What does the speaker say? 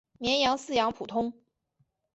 绵羊饲养普通。